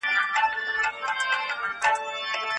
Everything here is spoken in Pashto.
نوی نسل بايد د هېواد د نړېدو لاملونه وڅېړي.